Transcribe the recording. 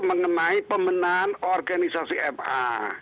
mengenai pemenahan organisasi ma